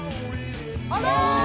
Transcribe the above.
あら！